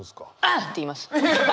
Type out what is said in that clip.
「ぁっ！！」って言います。